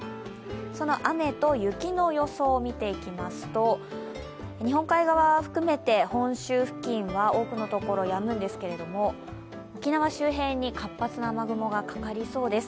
その雨と雪の予想を見ていきますと、日本海側含めて本州付近多くの所、やむんですけど、沖縄周辺に活発な雨雲がかかりそうです。